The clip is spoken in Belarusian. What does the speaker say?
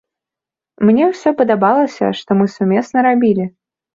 Мне ўсё падабалася, што мы сумесна рабілі.